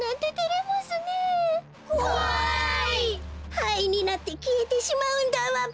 はいになってきえてしまうんだわべ！